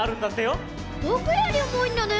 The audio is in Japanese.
ぼくよりおもいんだね！